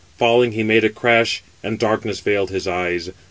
Falling, he made a crash, and darkness veiled his eyes.